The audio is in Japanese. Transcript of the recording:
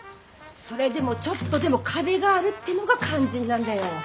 それでもちょっとでも壁があるってのが肝心なんだよ。